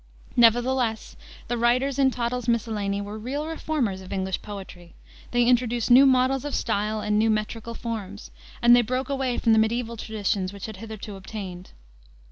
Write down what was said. Nevertheless the writers in Tottel's Miscellany were real reformers of English poetry. They introduced new models of style and new metrical forms, and they broke away from the mediaeval traditions which had hitherto obtained.